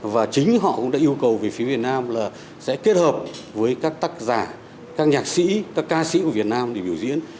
và chính họ cũng đã yêu cầu về phía việt nam là sẽ kết hợp với các tác giả các nhạc sĩ các ca sĩ của việt nam để biểu diễn